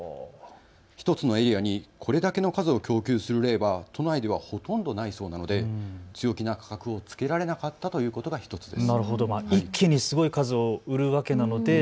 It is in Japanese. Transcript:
１つのエリアにこれだけの数を供給する例は都内ではほとんどないそうなので強気な価格をつけられなかったということが１つです。